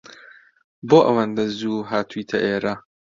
بۆ ئەوەندە زوو هاتوویتە ئێرە؟